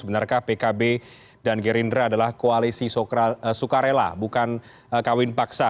benarkah pkb dan gerindra adalah koalisi sukarela bukan kawin paksa